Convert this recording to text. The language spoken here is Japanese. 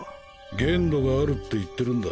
限度があるって言ってるんだ。